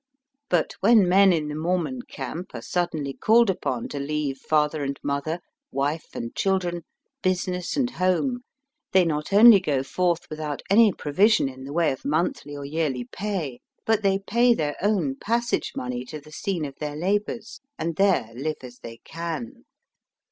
But when men in the Mormon camp are suddenly called upon to leave father and mother, wife and children, business and home, they not only go forth without any provision in the way of monthly Digitized by VjOOQIC THE CITY OF THE SAINTS. 105 or yearly pay, but they pay their own passage money to the scene of their labours, and there live as they can.